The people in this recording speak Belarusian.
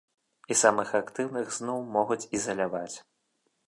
І самых актыўных зноў могуць ізаляваць.